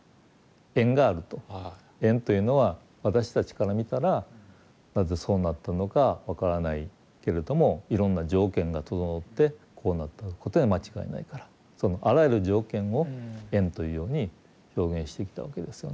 縁というのは私たちから見たらなぜそうなったのか分からないけれどもいろんな条件が整ってこうなったことには間違いないからそのあらゆる条件を縁というように表現してきたわけですよね。